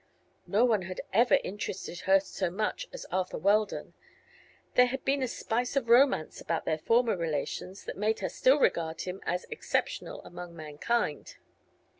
No one had ever interested her so much as Arthur Weldon. There had been a spice of romance about their former relations that made her still regard him as exceptional among mankind.